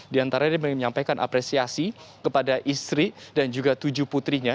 di antaranya menyampaikan apresiasi kepada istri dan juga tujuh putrinya